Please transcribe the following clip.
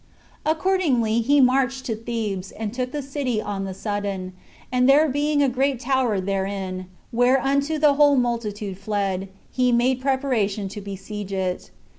Accordingly he marched to Thebes, and took the city on the sudden; and there being a great tower therein, whereunto the whole multitude fled, he made preparation to besiege it.